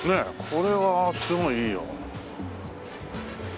これはすごいいいよ。